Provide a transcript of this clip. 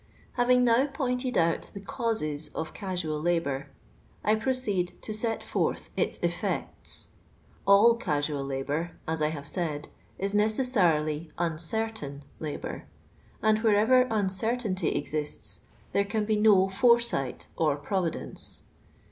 IlAvixa now pointed out the cnuHes of casual labour, I proc«'Oti to set forth itH elftrta. All casual labour, as I have faid. is necessarily uncrrtain, labour; and wherever uiicortainty exists, there cnn be no foresight or providence.